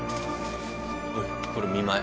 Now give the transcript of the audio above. ほいこれ見舞い。